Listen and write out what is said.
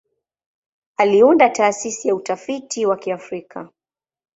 Aliunda Taasisi ya Utafiti wa Kiafrika.